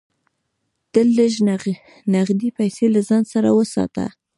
تل لږ نغدې پیسې له ځان سره وساته.